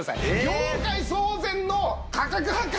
「業界騒然の価格破壊！」